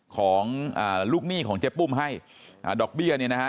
ของอ่าลูกหนี้ของเจ๊ปุ้มให้อ่าดอกเบี้ยเนี่ยนะฮะ